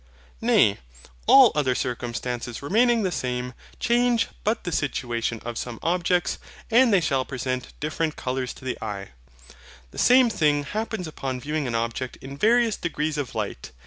Nay, all other circumstances remaining the same, change but the situation of some objects, and they shall present different colours to the eye. The same thing happens upon viewing an object in various degrees of light.